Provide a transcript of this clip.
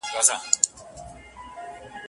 هر بنده په خپل مقام کي وي ښاغلی